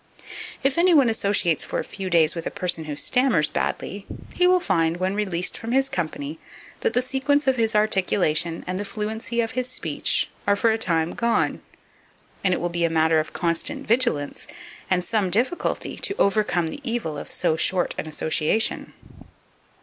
If any one associates for a few days with a person who stammers badly, he will find, when released from his company, that the sequence of his articulation and the fluency of his speech are, for a time, gone; and it will be a matter of constant vigilance, and some difficulty, to overcome the evil of so short an association.